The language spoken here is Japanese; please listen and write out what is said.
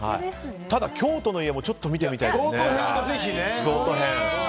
京都の家もちょっと見てみたいですね。